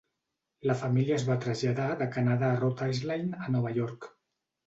La família es va traslladar de Canadà a Rhode Island a Nova York.